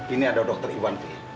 ini ada dokter iwan v